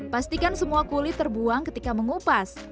pastikan semua kulit terbuang ketika mengupas